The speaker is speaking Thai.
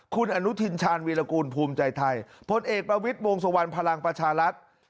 คุณอนุทินชาญวีรกูลภูมิใจไทยพลเอกประวิทย์วงสุวรรณพลังประชารัฐ